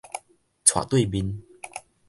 斜對面